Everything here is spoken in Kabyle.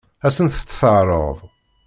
Ad sent-t-teɛṛeḍ?